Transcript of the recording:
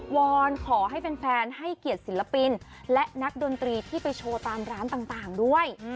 วอนขอให้แฟนให้เกียรติศิลปินและนักดนตรีที่ไปโชว์ตามร้านต่างด้วย